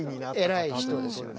えらい人ですよね。